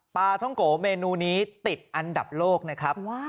ปลาท่องโกเมนูนี้ติดอันดับโลกนะครับ